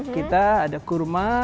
kita ada kurma